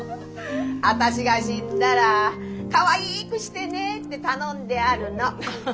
あたしが死んだらかわいくしてねって頼んであるの。